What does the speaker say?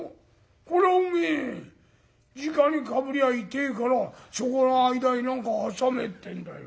これはおめえじかにかぶりゃ痛えからそこの間に何か挟めってんだよ。